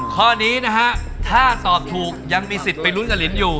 ข้อนี้นะฮะถ้าตอบถูกยังมีสิทธิ์ไปลุ้นกับลินอยู่